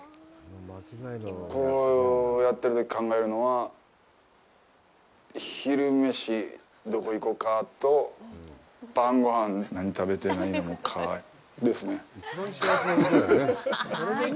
こうやっているときに考えるのは昼飯、どこ行こうかと晩ごはん、何食べて、何飲もうかですね。